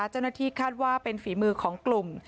เจ้าหน้าที่คาดว่าเป็นฝีมือของกลุ่ม